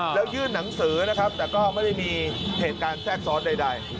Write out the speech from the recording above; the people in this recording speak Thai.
แล้วยื่นหนังสือนะครับแต่ก็ไม่ได้มีเหตุการณ์แทรกซ้อนใด